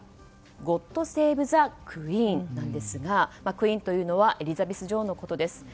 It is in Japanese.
「ゴッド・セーブ・ザ・クイーン」ですがクイーンというのはエリザベス女王のことです。